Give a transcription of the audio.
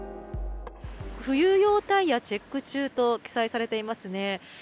冬用タイヤチェック中と記載されていますね。